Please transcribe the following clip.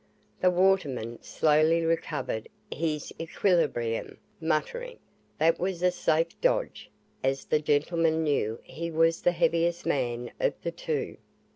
The waterman slowly recovered his equilibrium, muttering, "that was a safe dodge, as the gentleman knew he was the heaviest man of the two."